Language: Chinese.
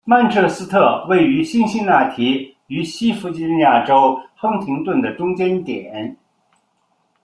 曼彻斯特位于辛辛那提与西弗吉尼亚州亨廷顿的中间点。